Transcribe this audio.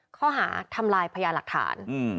ข้อหาทำลายพญาหลักฐาน